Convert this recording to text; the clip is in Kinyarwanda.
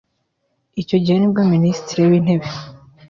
Icyo gihe ni bwo Minisitiri w’Intebe